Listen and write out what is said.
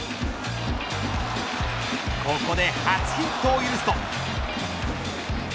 ここで初ヒットを許すと。